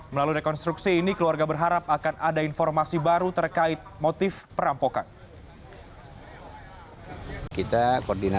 melalui rekonstruksi ini keluarga berharap akan ada informasi baru terkait motif perampokan